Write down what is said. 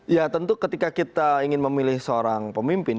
ya tentu ketika kita ingin memilih seorang pemimpin